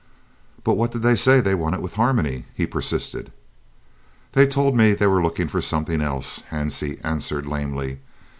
"But what did they say they wanted with Harmony?" he persisted. "They told me they were looking for something else," Hansie answered lamely.